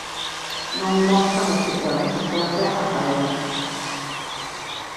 Non mostran especial resistencia á calor.